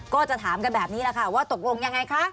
ก็จะถามกันแบบนี้แหละค่ะว่าตกลงยังไงคะ